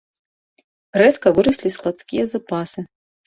Рэзка выраслі складскія запасы.